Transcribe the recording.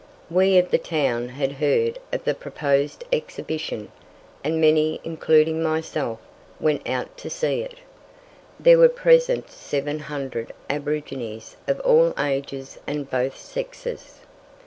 We of the town had heard of the proposed exhibition, and many, including myself, went out to see it. There were present seven hundred aborigines of all ages and both sexes.